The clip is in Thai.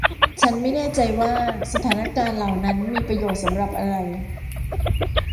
ฉันไม่แน่ใจว่าสถานการณ์เหล่านั้นมีประโยชน์สำหรับอะไร